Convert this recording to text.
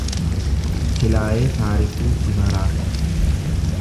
Tilaayee Taarikuu Jiimaraa